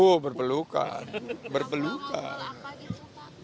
oh berpelukan berpelukan